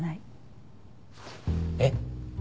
えっ？